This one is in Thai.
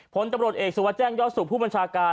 ผลตำรวจเอกสุวัสดิแจ้งยอดสุขผู้บัญชาการ